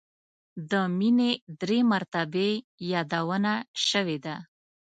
د مینې درې مرتبې یادونه شوې ده.